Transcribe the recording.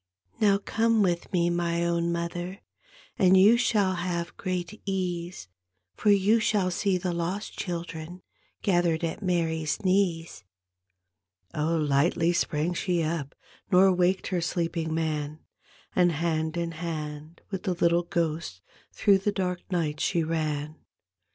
" Now come with me, my own mother, And you shall have great ease. For you shall see the lost children Gathered at Mary's knees." Oh, lightly sprang she up Nor waked her sleeping man, And hand in hand with the little ghost Through the dark night she ran.